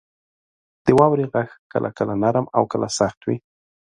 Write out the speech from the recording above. • د واورې غږ کله کله نرم او کله سخت وي.